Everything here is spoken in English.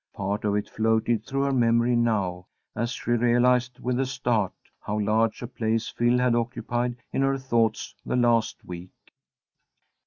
Part of it floated through her memory now, as she realized, with a start, how large a place Phil had occupied in her thoughts the last week.